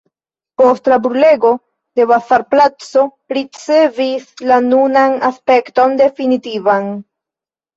Post la brulego la bazarplaco ricevis la nunan aspekton definitivan.